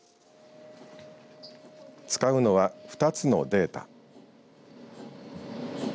使うのは２つのデータ。